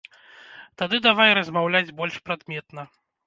Тады давай размаўляць больш прадметна.